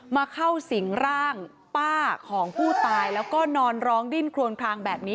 มาเข้าสิงร่างป้าของผู้ตายแล้วก็นอนร้องดิ้นโครวนคลางแบบนี้